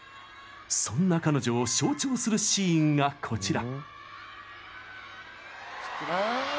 そんな彼女を象徴するシーンがこちら。